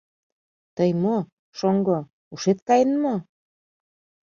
— Тый мо, шоҥго, ушет каен мо?!